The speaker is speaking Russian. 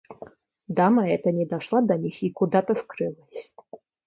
Дама эта не дошла до них и куда-то скрылась.